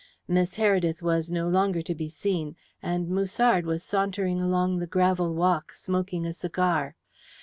Miss Heredith was no longer to be seen, and Musard was sauntering along the gravel walk smoking a cigar.